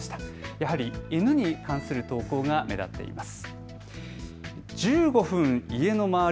やはり犬に関する投稿が目立っています。